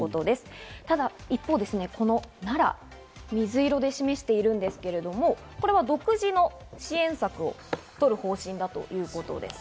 ただ一方、奈良、水色で示しているんですけど、これは独自の支援策を取る方針だということです。